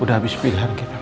udah abis pilihan kita pak